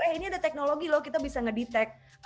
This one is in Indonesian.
eh ini ada teknologi loh kita bisa ngedetek